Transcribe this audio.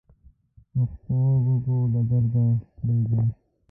پښتورګو له درد کړېږم.